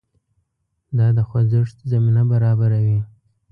دا د خوځښت زمینه برابروي.